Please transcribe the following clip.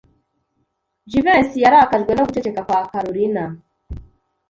Jivency yarakajwe no guceceka kwa Kalorina.